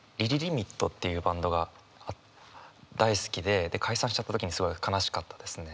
ＬＩＬＩＬＩＭＩＴというバンドが大好きで解散しちゃった時にすごい悲しかったですね。